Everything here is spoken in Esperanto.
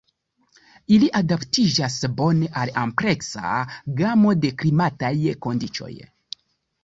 Ili adaptiĝas bone al ampleksa gamo de klimataj kondiĉoj.